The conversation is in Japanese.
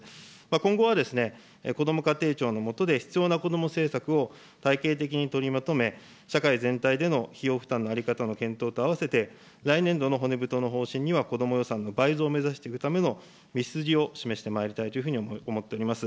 今後は、こども家庭庁の下で、必要な子ども政策を体系的に取りまとめ、社会全体での費用負担の在り方の検討とあわせて、来年度の骨太の方針にはこども予算の倍増を目指していくための道筋を示してまいりたいというふうに思っております。